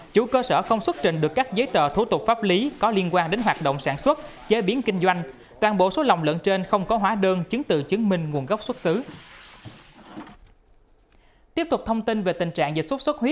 chủ cơ sở không xuất trình được các giấy tờ thủ tục pháp lý có liên quan đến hoạt động sản xuất chế biến kinh doanh toàn bộ số lồng lợn trên không có hóa đơn chứng từ chứng minh nguồn gốc xuất xứ